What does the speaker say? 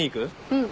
うん。